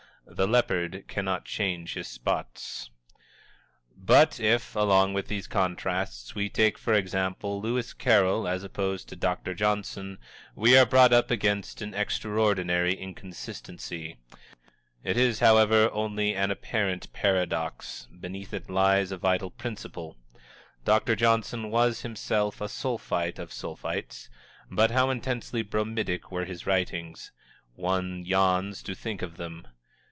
The leopard cannot change his spots. But if, along with these contrasts, we take, for example, Lewis Carroll as opposed to Dr. Johnson, we are brought up against an extraordinary inconsistency. It is, however, only an apparent paradox beneath it lies a vital principle. Dr. Johnson was, himself, a Sulphite of the Sulphites, but how intensely bromidic were his writings! One yawns to think of them.